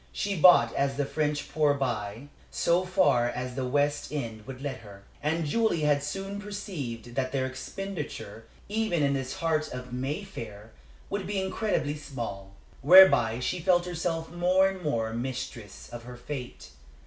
She bought as the French poor buy, so far as the West End would let her, and Julie had soon perceived that their expenditure, even in this heart of Mayfair, would be incredibly small. Whereby she felt herself more and more mistress of her fate.